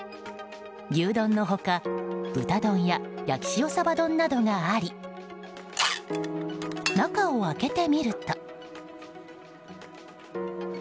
牛丼の他、豚丼や焼塩さば丼などがあり中を開けてみると。